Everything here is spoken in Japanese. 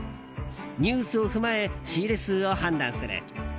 ニュースを踏まえ仕入れ数を判断する。